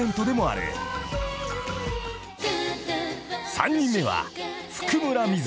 ［３人目は］